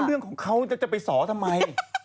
เรื่องของเขาจะไปสอทำไม